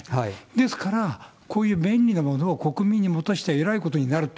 ですから、こういう便利なものを国民に持たせたらえらいことになると。